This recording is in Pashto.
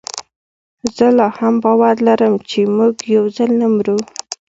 زه لا هم باور لرم چي موږ یوځل نه مرو